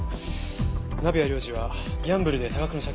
鍋谷亮次はギャンブルで多額の借金がありました。